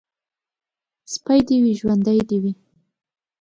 سپى دي وي ، ژوندى دي وي.